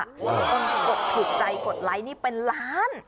กดถูกใจกดไลค์นี่เป็นล้าน